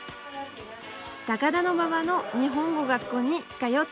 高田馬場の日本語学校に通っています。